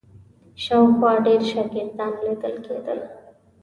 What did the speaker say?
شاوخوا ډېر شاګردان لیدل کېدل.